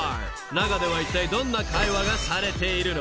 ［中ではいったいどんな会話がされているの？］